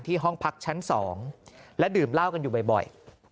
ห้องพักชั้น๒และดื่มเหล้ากันอยู่บ่อย